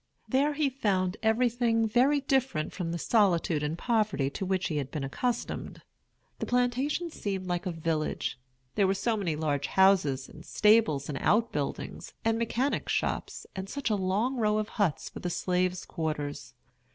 There he found everything very different from the solitude and poverty to which he had been accustomed. The plantation seemed like a village, there were so many large houses, and stables, and out buildings, and mechanics' shops, and such a long row of huts for the "slaves' quarters."